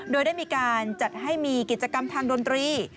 โดยได้มีการจัดให้มีกิจกรรมทางดนตรี